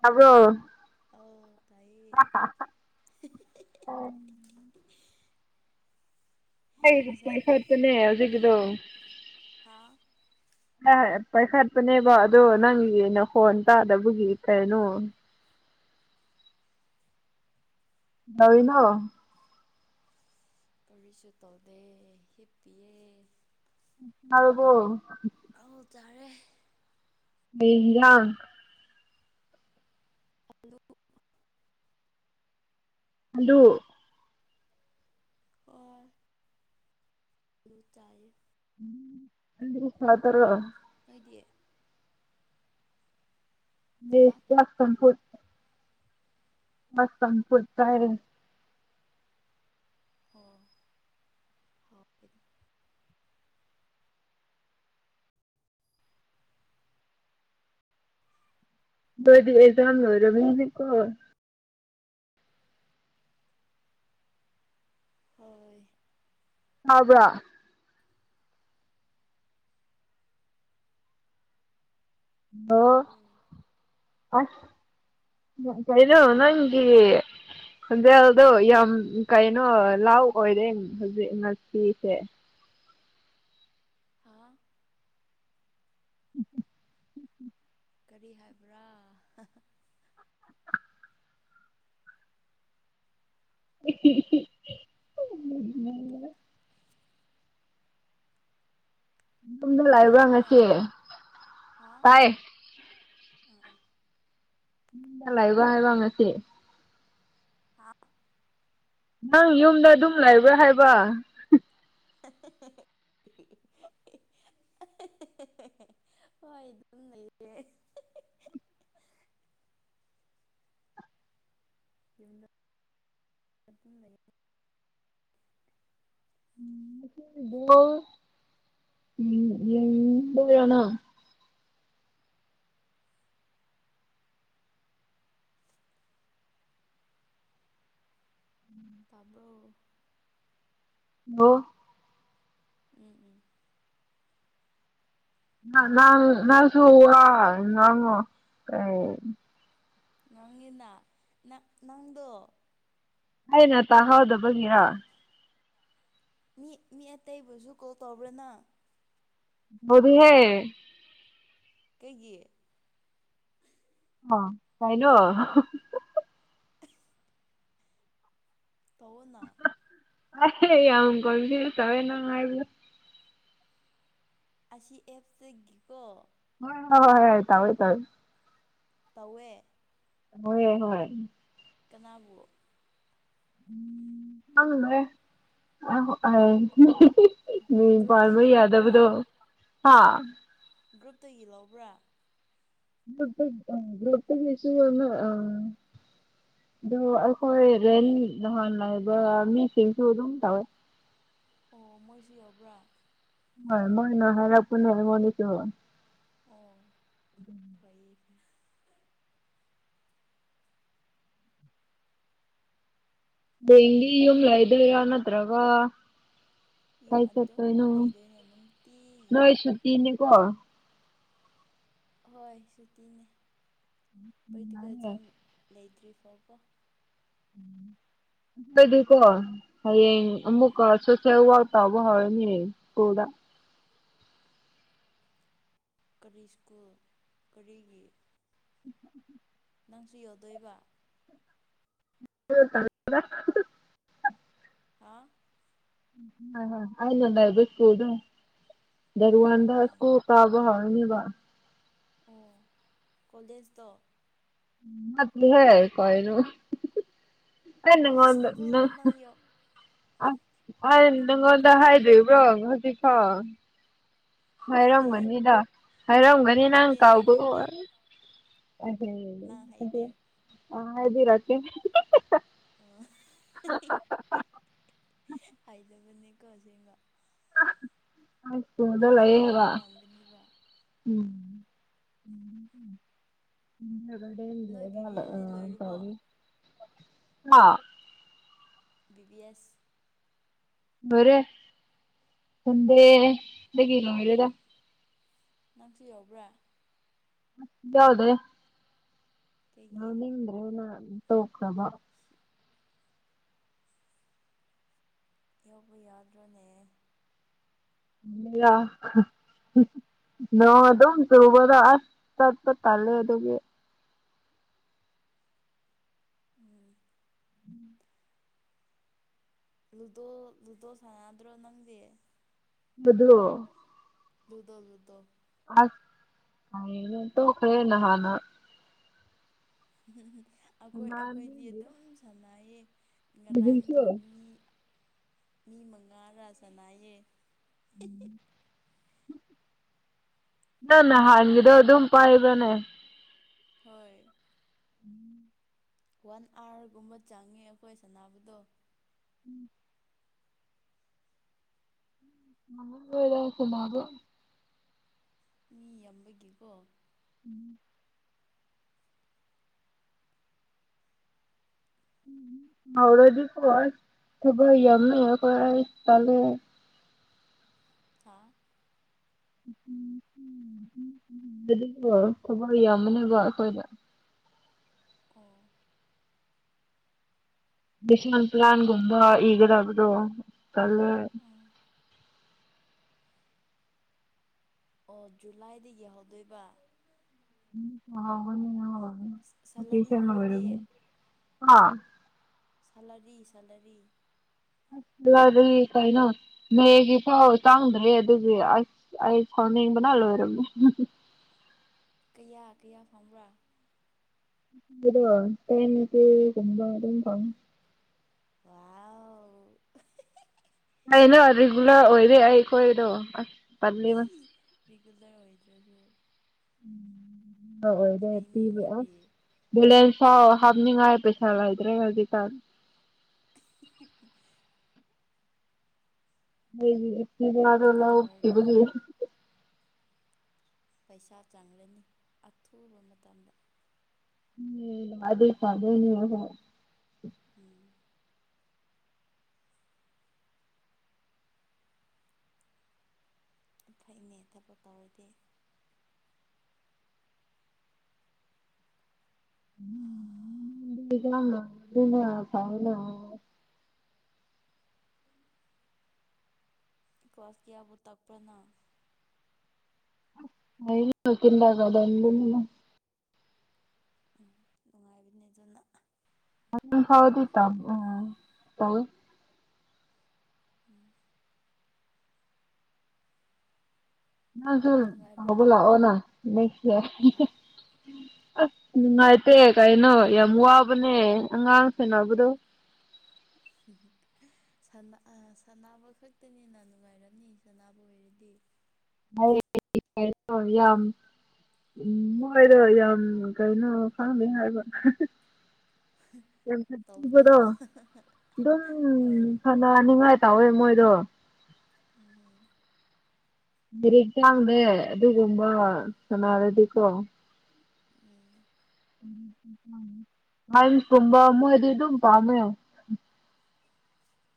ꯇ꯭ꯥꯕꯔꫭ ꯑꯥꯎ ꯇꯥꯏꯌꯦ ꯑꯩ ꯍꯧꯖꯤꯛ ꯉꯁꯥꯏ ꯄꯥꯏ ꯈꯥꯔꯠꯄꯅ‌ꯦ ꯍꯧꯖꯤꯛꯗꯣ ꯍꯥ ꯄꯥꯏꯈꯠꯄꯅꯦꯕ ꯑꯗꯣ ꯅꯪꯒꯤꯅ ꯅꯈꫭꯟ ꯇꯥꯗꯕꯒꯤ ꯀꯩꯅꯣ [unintelligible] ꯀꯧꯔꯤꯁꯨ ꯇꯧꯗꯦ ꯍꯤꯞꯄꯤꯑ ꯇꯔꯥꯕꯣ ꯑꯧ ꯇꯔꯦ ꯑ [unintelligible] ꯑꯂꯨ [unintelligible] ꯍꯜꯂꯣ ꯑꯣ ꯑꯂꯨ ꯆꯥꯏꯌ‌ꯦ ꯆ ꯁꯥꯥꯎ ꯇꯔꯣ [unintelligible] ꯗꯤ [unintelligible] ꯆꯥꯛ ꯆꯝꯐꯨꯠ [unintelligible] ꯃꯁ ꯁꯟꯄꯨꯔ ꯇꯥꯏ [unintelligible] ꯑꯣ ꯍꯔꯝꯒꯅꯤ ꯅꫭꯏꯗꯤ ꯑꯦꯖꯝ ꯂꫭꯏꯔꯕꯅꯤꯅ‌ꯦ ꯀꯣꯣ ꯍꯣꯏ ꯋꯕ꯭ꯔ ꯑꫭ ꯇꯥꯕ꯭ꯔꯣ ꯑꯁ ꯀꯩꯅꯣ ꯅꯪꯒꯤ ꯈꯣꯟꯖꯦꯜꯗꯣ ꯌꯥꯝ ꯀꯩꯅꯣ ꯂꯥꯎ ꯑꯣꯏꯔꯦ ꯍꯧꯖꯤꯛ ꯉꯁꯤꯁꯦ ꯍꯥ ꯎꯝ ꯎꯝ [unintelligible] ꯀꯔꯤ ꯍꯥꯏꯕ꯭ꯔꯥ [unintelligible] ꯌꯨꯝꯗ ꯇꯥꯗꯕ꯭ꯔꯥ ꯂꯥꯛꯕ꯭ꯔꯉꯁꯤ ꯇꯥꯏ ꯑꯥ ꯑꯥ ꯌꯨꯝꯗ ꯂꯩꯕꯔꯥ ꯍꯥꯏꯕ ꯉꯁꯤ ꯍꯥ ꯅꯪ ꯌꯨꯝꯗ ꯑꯗꯨꯝ ꯂꯩꯕ꯭ꯔꯥ ꯍꯥꯏꯕ [unintelligible] ꯍꫭꯏ ꯑꯗꯨꯝ ꯂꯩꯌ‌ꯦ ꯌꯨꯝꯗ ꯑꯗꯨꯝ ꯂꯩꯌ‌ꯦ ꯎꯝꯉ [unintelligible] ꯎꯝ ꯌꯦꯕꯔꯥ ꯅꯪ ꯇꯥꯕ꯭ꯔꯣ ꯍꯜꯂꫭ ꯎꯝ ꯎꯝ ꯅꯥꯟ ꯅꯁꯨ ꯑ ꯉꯉ‌ꯣ ꯀꯩ ꯉꯥꯡꯉꯤꯅ ꯅ ꯅꯪꯗꯣ ꯑꯩꯅ ꯇꯥꯍꯧꯗꯕꯒꯤꯔ ꯃꯤ ꯃꯤ ꯑꯇꯩꯕꯨꯁꯨ ꯀꯣꯜ ꯇꯧꯕ꯭ꯔ ꯅꯪ ꯇꯧꯗ‌ꯦꯍꯦ ꯀꯩꯒꯤ ꯑ ꯀꯥꯏꯅꯣ ꯇꯧꯋ‌ꯣꯅꯥ ꯑ ꯌꯥꯝ ꯀꯝꯕꯤ ꯇꯋꯦꯅꯪꯉꯥꯏꯕ ꯑꯁꯤ ꯑꯦꯞ ꯇꯒꯤꯀꯣ ꯍ‌ꯣꯏ ꯍꯣꯏ ꯇꯧꯋꯤ ꯇꯧꯋꯤ ꯇꯋꯦ ꯍꯣꯏꯌ‌ꯦ ꯍꯣꯏ ꯀꯅꯥꯕꯨ ꯑꯝ ꯈꯪꯊꯔ‌ꯦ [unintelligible] ꯃꯤꯡ ꯄꯜꯕ ꯒ꯭ꯔꯨꯞꯇꯒꯤ ꯂꯧꯕ꯭ꯔꯥ ꯌꯥꯗꯕꯗ‌ꯣ ꯍꯥ ꯒ꯭ꯔꯨꯞꯇꯒꯤ ꯂꯧꯕ꯭ꯔꯥ ꯒ꯭ꯔꯨꯄꯇꯒꯤꯁꯨ ꯂꯧ ꯑ ꯑꯗꯨ ꯑꯩꯈꯣꯏ ꯔꯦꯂꯤ ꯅꯍꯥꯟ ꯂꯩꯏꯕ ꯃꯤꯁꯤꯡꯁꯨ ꯑꯗꯨꯝ ꯇꯧꯋꯦ ꯑꯣ ꯃꯣꯏꯁꯨ ꯌꯎꯕ꯭ꯔꯥ ꯍ ꯃꯣꯏꯅ ꯍꯥꯏꯔꯛꯄꯅꯤ ꯑꯩꯉ‌ꯣꯟꯗꯁꯨ ꯑꯣ ꯐꯥꯏꯌ‌ꯦ ꯗꯒꯤ ꯌꯨꯝ ꯂꯩꯥꯏꯗꯣꯏꯔ ꯅꯠꯇ꯭ꯔꯒ ꯌꯨꯝ ꯀꯥꯏ ꯑꯗꯨꯝ ꯆꯠꯇ‌ꯣꯏꯅ‌ꯣ ꯂꯩꯗꯣꯏꯅꯦ ꯅꯨꯡꯇꯤꯒꯤ ꯅ‌ꯣꯏ ꯁꯨꯠꯇꯤ ꯅꯤꯀꯣ ꯍꯣꯏ ꯁꯨꯇꯤꯅꯦ ꯎ ꯃꯥꯅꯦ ꯊ꯭ꯔꯤ ꯐꯥꯎ ꯀ‌ꯣ ꯀꯗꯨ ꯀꯣ ꯍꯌꯦꯡ ꯎꯝ ꯑꯃꯨꯛꯀ ꯁ‌ꯣꯁ‌ꯦꯜ ꯌꯥꯛ ꯇꯧꯕ ꯍꯧꯔꯅꯤ ꯁ꯭ꯀꯨꯜꯗ ꯀꯔꯤ ꯁ꯭ꯀꯨꯜ ꯀꯔꯤꯒꯤ ꯎꯝ [unintelligible] ꯅꯪꯁꯨ ꯌꯣꯗꯣꯏꯕ ꯎ [unintelligible] ꯍꯥ ꯑꯩꯅ ꯂꯕ ꯁꯀꯨꯗ ꯑꯣ ꯔꯋꯥꯟꯗ ꯑꯣ ꯁꯀꯨ ꯇꯥꯕ ꯍꯥ ꯊꯕ ꯑꯣ ꯀꯣꯂꯦꯖꯇ ꯃꯥ ꯍꯦ ꯀꯣꯏꯅ ꯑꯣ ꯟꯅꯉꯅꯅ ꯁ꯭ꯀꯨꯜꯗ ꯅꯪ ꯌꯧ ꯑꯁ ꯑ ꯀꯔ ꯅꯪꯉꯣꯟꯗ ꯀꯔ ꯍꯥꯏꯗ꯭ꯔꯤꯕ꯭ꯔꯣ ꯍꯧꯖꯤꯛꯀꯣ ꯍꯥꯏꯗꯦꯍꯦ ꯍꯥꯏꯩꯔꯝꯒꯅꯤꯗ ꯍꯥꯏꯔꯝꯒꯅꯤ ꯅꯪ ꯍꯩꯗꯦ ꯀꯥꯎꯕꯨ ꯍꯩꯗꯦ ꯑꯦ ꯅꯪ ꯍꯩꯗꯦ ꯑ ꯍꯥꯏꯔ ꯑ ꯍꯥꯏꯗꯕꯅꯦꯀꯣ ꯁꯦꯝꯕ ꯍꯩꯔꯗꯤ ꯑꯩ ꯑꯁꯨ ꯈꯪꯒꯅꯤꯕ ꯃꯗꯂꯌꯦ ꯎꯝ ꯎꯝ ꯅꯣꯏ ꯕꯤ ꯕꯤ ꯑꯦꯁꯇꯤ ꯂꯣꯏꯔꯕꯣ ꯎꯝ [inaudible] ꯕꯤꯕꯤ ꯑꯦꯁ ꯔꯦ ꯊꯗꯦꯗ ꯀꯂ ꯑꯣꯏꯔꯦꯗ ꯅꯪꯁꯨ ꯌꯥꯎꯕ꯭ꯔꯥ ꯌꯥꯎꯗ ꯅ ꯀꯩꯒꯤ ꯅꯤꯡ꯭ꯔꯦ ꯅ ꯇꯣꯈ꯭ꯔꯕ ꯁꯤ ꯌꯥꯎꯧꯕ ꯌꯥꯗ꯭ꯔꯅꯦ ꯏ ꯅꯣꯡ ꯑꯗꯨꯝ ꯆꯨꯕꯗ ꯑꯁ ꯆꯠꯄ ꯇꯂꯦ ꯑꯗꯨꯒꯤ ꯎꯝ ꯂꯨꯗꯣ ꯂꯨꯗꯣ ꯁꯥꯟꯅꯗ꯭ꯔꯣ ꯅꯪꯗꯤ ꯃꯗꯨꯑꯣꯣ ꯂꯗꯣ ꯂꯗꯣ ꯑꯁ ꯇꯣ ꯈꯔꯦ ꯅꯍꯅ ꯎ ꯑꯩꯈꯣꯏ ꯑꯩꯈꯣꯏꯗꯤ ꯁꯅꯥꯅꯤꯡꯗꯦꯗ ꯑꯗꯨꯝ ꯁꯥꯟꯅꯌꯦ ꯍꯧꯖꯤꯛꯁꯨ ꯉꯔꯥꯡꯗꯣ ꯃꯤ ꯃꯤ ꯃꯉꯥꯔ ꯆꯅꯥꯏꯌꯦ ꯎꯝ ꯅ ꯅ ꯋꯥꯟ ꯍꯥꯡꯒꯤꯤꯗ ꯑꯥꯋꯔ ꯑꯗꯨꯝ ꯄꯥꯏꯕꯅꯦ ꯍꯣꯏ ꯋꯥꯟ ꯑꯥꯋꯥꯔꯒꯨꯝꯕ ꯆꯪꯉꯤ ꯑꯩꯈꯣꯏ ꯁꯅꯕꯗꯣ ꯎꯝ ꯃꯗ ꯈꯨꯃ ꯑꯗꯨ ꯃꯤ ꯌꯥꯝꯝꯕꯒꯤꯀꯣ ꯎꯝ [inaudible] ꯍꯧꯔꯗꯤꯀꯣ ꯊꯕ ꯌꯥꯝ ꯀꯇꯥꯂꯦ ꯍꯥ ꯗꯤ ꯊꯋꯥꯏ ꯌꯥꯝꯃꯅꯦꯅꯕ ꯑꯩꯈꯣꯏꯅ ꯑꯣ ꯕꯤꯁꯃꯟ ꯄ꯭ꯂꯥꯟꯒꯨꯝꯕ ꯏꯒ ꯂꯕꯣ ꯀꯂꯦ ꯎꯝ ꯑꯣ ꯖꯨꯂꯥꯏꯗꯒꯤ ꯌꯥꯍꯧꯗꯣꯏꯕ ꯁ ꯑꯣꯏꯔ ꯁꯦꯂꯔꯤꯒꯨꯝꯕꯗꯤ ꯑ ꯁꯥꯂꯔꯤ ꯁꯥꯂꯔꯤ ꯗꯤ ꯀꯩꯅꯣ ꯃꯦꯒꯤ ꯐꯥꯎ ꯆꯥꯡꯗ꯭ꯔꯦ ꯑꯗꯨꯗꯤ ꯑꯁ ꯑꯩ ꯁꯥꯎꯅꯤꯡꯕꯅ ꯑꯣꯏꯔꯝꯕ [inaudible] ꯀꯌꯥ ꯀꯌꯥ ꯐꯪꯕ꯭ꯔꯥ ꯑꯗꯨꯗ ꯇꯥꯏꯝꯛꯇ ꯀꯨꯝꯝꯕ ꯑꯗꯨꯝ ꯄꯉ ꯋꯥꯥꯎ ꯑꯩꯅ ꯔꯤꯒꯨꯂꯔ ꯑꯣꯏꯔꯦ ꯑꯩ ꯑꯩꯈꯣꯏꯗꯣ ꯑꯁ ꯇꯜꯂꯤꯕ ꯁꯤꯁ ꯔꯤꯒꯨꯂꯔ ꯑꯣꯏꯗ꯭ꯔꯁꯨ [unintelligible] ꯐꯩꯅꯦ ꯃꯤꯗꯤ ꯊꯝꯅꯤꯡꯉꯥꯏ ꯄꯩꯁꯥ ꯂꯏꯗ꯭ꯔꯦ ꯍꯧꯖꯤꯛꯀꯥꯟ [inaudible] ꯗꯥꯎꯟ ꯋꯥꯔꯤ [unintelligible] ꯄꯩꯁꯥ ꯆꯪꯂꯅꯤ ꯑꯊꯨꯕ ꯃꯇꯝꯗ ꯎꯝ ꯑꯗꯨꯏ [unintelligible] ꯎꯝ ꯐꯩꯅꯦ ꯊꯕꯛ ꯇꯧꯔꯗꯤ [unintelligible] ꯀꯂ꯭ꯥꯁ ꯀꯌꯥꯕꯨ ꯇꯝꯕ꯭ꯔ ꯅꯪ [unintelligible] ꯎ ꯅꯨꯡꯉꯥꯏꯕꯅꯤ [unintelligible] ꯑꯗꯨ ꯐꯥꯎꯗꯤ ꯇꯝꯕꯅ‌ꯦ [unintelligible] ꯎꯝ ꯅꯪꯁꯨ ꯅꯨꯡꯉꯥꯏꯕ꯭ꯔꯥ ꯍꯧꯒꯠꯂꯛꯑꯣꯅ ꯂꯩꯁ‌ꯦ ꯍꯥ [unintelligible] ꯑꯁ ꯅꯨꯡꯉꯥꯏꯇꯦ ꯀꯩꯅꯣ ꯌꯥꯝ ꯋꯥꯕꯅꯦ ꯑꯉꯥꯡ ꯁꯦꯅꯕꯗꯣ ꯎꯝ ꯁꯥꯟꯅꯕ ꯈꯛꯇꯅꯤꯅ ꯅꯨꯡꯉꯥꯏꯔꯅꯤ ꯁꯅꯕ ꯑꯣꯏꯔꯗꯤ ꯌꯥꯝ ꯎꯝ ꯃꯣꯏꯗꯣ ꯌꯥꯝ ꯀꯩꯅꯣ ꯈꯥꯡꯃꯦ ꯍꯥꯏꯕ ꯇꯧꯕꯗꯣ ꯌꯥꯝꯕꯗꯣ ꯑꯗꯨꯝ ꯍꯣꯏ ꯍꯣꯏ ꯐꯅꯅꯤꯡꯉꯥꯏ ꯇꯧꯋꯦ ꯃꯣꯏꯗꯣ ꯎꯝ ꯔꯤꯛ ꯆꯥꯡꯅꯦ ꯑꯗꯨꯒꯨꯝꯕ ꯁꯅꯥꯔꯗꯤꯀꯣ ꯎꯝ ꯥꯏ ꯀꯝꯕ ꯑꯃ ꯍꯥꯏꯗꯤ ꯑꯗꯨ ꯄꯥꯃꯦ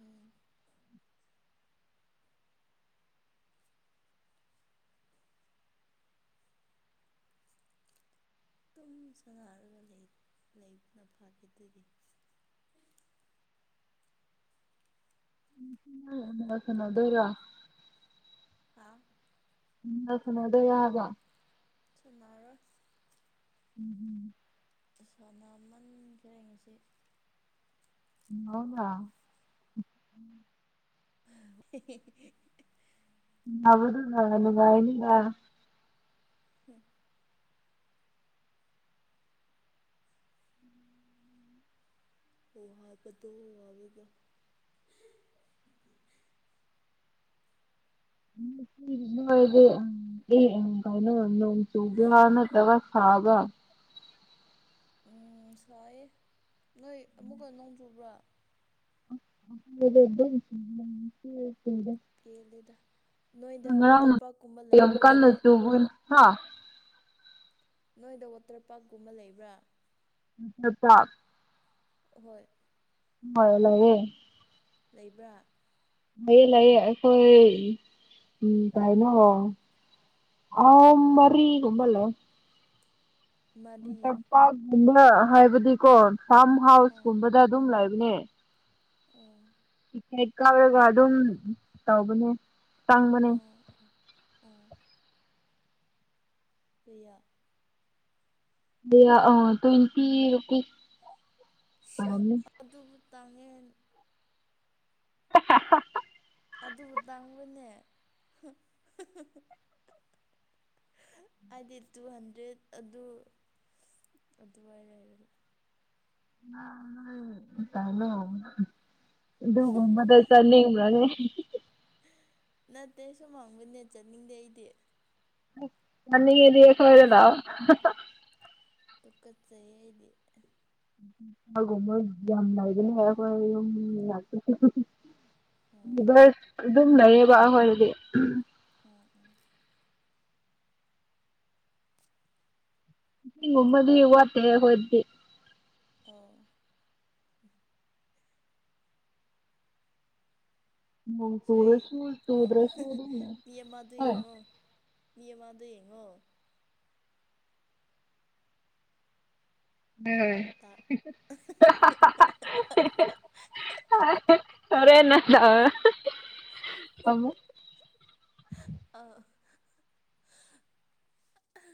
ꯎꯝ ꯑꯗꯨꯝ ꯁꯥꯟꯅꯔꯒ ꯂꯩꯕꯅ ꯐꯔꯦ ꯑꯗꯨꯗꯤ ꯎ [inaudible] ꯎꯅꯣ ꯗꯔꯣ ꯍꯥ ꯐꯅꯗ ꯌꯥꯕꯣ ꯁꯨꯅꯔꯣꯏ ꯎꯝ ꯁꯥꯟꯅꯃꯟ ꯀꯔꯤꯉꯁꯤ ꯑꯅꯥ [inaudible] ꯕꯨꯗꯨꯒꯅꯨꯡꯒꯥꯏꯅꯤꯒ ꯎꯝ [inaudible] ꯑꯣ ꯍꯥꯕꯗꯣ ꯋꯥꯋ [inaudible] ꯀꯥꯏꯩꯅꯣ ꯆꯒꯥꯅꯠꯇꯕ ꯐꯥꯕ ꯎꯝ ꯁꯥꯏꯌꯦ ꯅꯣꯏ ꯑꯃꯨꯛꯀ ꯅꯣꯡ ꯆꯨꯕ꯭ꯔꯥ [inaudible] ꯄꯂꯗ ꯃꯅ ꯀꯥꯟꯅ ꯇꯨ ꯍꯥ ꯅꯣꯏꯗ ꯋꯥꯇꯔ ꯄꯥꯔꯛꯀꯨꯝꯕ ꯂꯩꯕ꯭ꯔꯥ ꯑꯆꯥ ꯑꯆꯥ ꯍꯣꯏ ꯍ ꯂꯔꯦ ꯂꯩꯕ꯭ꯔꯥ ꯂꯩꯌꯦ ꯂꯩꯌꯦ ꯑꯩꯈꯣꯏ ꯎꯝ ꯚꯥꯏꯅꯣ ꯑ ꯃꯔꯤ ꯀꯕꯜꯂ ꯃꯔꯤ ꯄꯥꯒꯨꯝꯕ ꯍꯥꯏꯕꯗꯤꯀꯣ ꯐꯥꯔꯝ ꯑꯣ ꯍꯥꯎꯁꯀꯨꯝꯕꯗ ꯑꯗꯨꯝ ꯂꯩꯕꯅꯦ ꯑꯣ ꯍꯦꯛ ꯀꯥꯎꯔꯒ ꯑꯗꯨꯝ ꯇꯧꯕꯅꯦ ꯇꯪꯕꯅꯦ ꯑꯣ ꯑꯣ ꯀꯌꯥ ꯑ ꯇ꯭ꯋꯦꯟꯇꯤ ꯔꯨꯄꯤꯔ ꯇꯥꯡꯉꯟ [inaudible] ꯑꯗꯨꯕꯨ ꯇꯪꯕꯅꯦ ꯍꯥꯏꯗꯤ ꯇꯨ ꯍꯟꯗ꯭ꯔꯦꯠ ꯑꯗꯨ ꯑꯗꯨꯋꯥꯏꯔ ꯍꯥꯏꯔꯒ ꯑ ꯇꯩꯅꯣ ꯑꯗꯨꯃꯗ ꯆꯅꯤꯡꯒꯅꯦ ꯅꯠꯇꯦ ꯁꯨꯍꯥꯡꯕꯅꯦꯠ ꯆꯠꯅꯤꯡꯗꯦ ꯑꯩꯗꯤ ꯌꯥꯝꯅꯤꯒꯦꯗꯤ ꯇꯨꯀꯠ ꯑꯦꯕꯔꯦ ꯂꯑꯣ ꯇꯗꯨ ꯀꯠ ꯆꯍꯦꯗꯤ ꯨꯣꯏ ꯌꯥꯝ ꯅ ꯏꯗꯨ ꯌꯥꯣꯏꯝ ꯂ ꯑꯣ ꯑꯗꯨꯝ ꯂꯩꯌꯦꯕ ꯑꯩꯈꯣꯏꯔꯗꯤ ꯑꯣ ꯑꯣ ꯍ ꯎꯃꯗꯤ ꯍꯨꯋꯥꯇꯦ ꯍꯣꯏꯗꯤ ꯑꯣ ꯅꯣꯡ ꯁꯨꯏ ꯆꯨꯔꯁꯨ ꯑ ꯆꯨꯗ꯭ꯔꯁꯨ ꯑꯗꯨꯝ ꯂꯩ ꯃꯤ ꯑꯃꯗꯨ ꯍꯣꯏ ꯌꯦꯡꯉꯣ ꯃꯤ ꯑꯃ ꯌꯦꯡꯉꯨ ꯇꯥ ꯑ ꯐꯔꯦ ꯅ ꯑꯃ ꯑꯥ